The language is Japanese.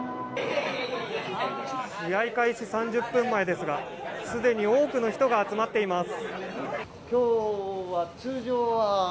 試合開始３０分前ですがすでに多くの人が集まっています。